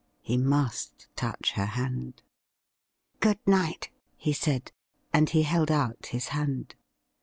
He must touch her hand. ' Good night,' he said, and he held out his hand.